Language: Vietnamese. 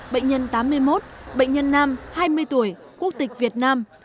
bệnh nhân tám mươi một bệnh nhân nam hai mươi tuổi quốc tịch việt nam